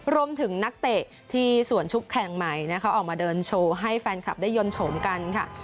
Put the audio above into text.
นักเตะที่ส่วนชุบแข่งใหม่นะคะออกมาเดินโชว์ให้แฟนคลับได้ยนต์ชมกันค่ะ